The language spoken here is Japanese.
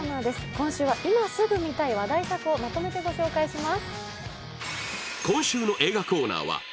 今週は今すぐ見たい話題作をまとめてご紹介します。